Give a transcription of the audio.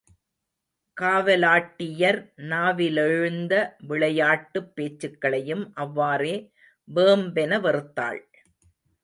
காவலாட்டியர் நாவிலெழுந்த விளையாட்டுப் பேச்சுகளையும் அவ்வாறே வேம்பென வெறுத்தாள்.